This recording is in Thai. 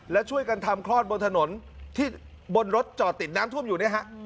และช่วยกันทำคลอดบนถนนที่บนรถจอดติดน้ำท่วมอยู่เนี่ยฮะ